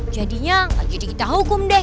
jadinya jadi kita hukum deh